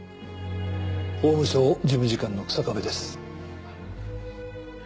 法務省事務次官の日下部です。